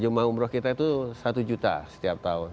jemaah umroh kita itu satu juta setiap tahun